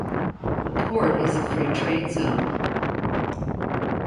The port is a free trade zone.